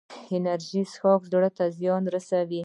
انرژي څښاک زړه ته زیان لري